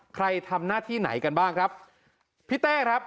ใครทำหน้าที่ไหนกันบ้างครับพี่เต้ครับ